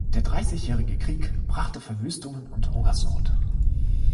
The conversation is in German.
Der Dreißigjährige Krieg brachte Verwüstungen und Hungersnot.